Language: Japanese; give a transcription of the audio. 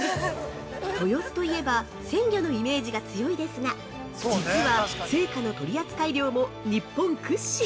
◆豊洲といえば、鮮魚のイメージが強いですが、実は青果の取り扱い量も日本屈指！